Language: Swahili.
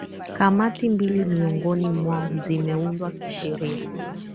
kamati mbili miongoni mwao zimeundwa kisheria